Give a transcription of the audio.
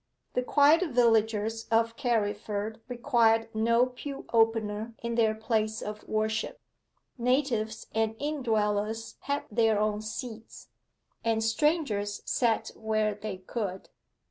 The quiet villagers of Carriford required no pew opener in their place of worship: natives and in dwellers had their own seats, and strangers sat where they could.